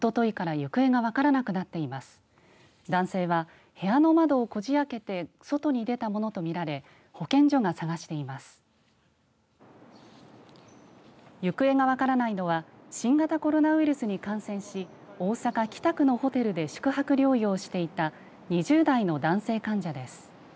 行方が分からないのは新型コロナウイルスに感染し大阪、北区のホテルで宿泊療養していた２０代の男性患者です。